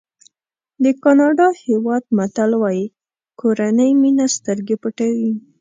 د ګاڼډا هېواد متل وایي کورنۍ مینه سترګې پټوي.